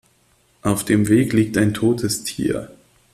Auf dem Weg liegt ein totes Tier.